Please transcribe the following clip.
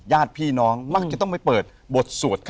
ญาติพี่น้องมักจะต้องไปเปิดบทสวดกัน